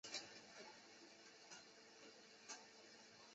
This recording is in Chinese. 月面环形火山口国家纪念区及保护区是美国的一处国家纪念区和。